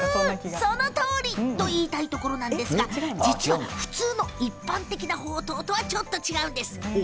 そのとおりと言いたいところなんですが普通の一般的なほうとうとはちょっと違うんです。